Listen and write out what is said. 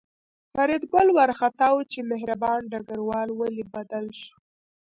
فریدګل وارخطا و چې مهربان ډګروال ولې بدل شو